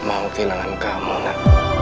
papa gak mau kehilangan kamu nak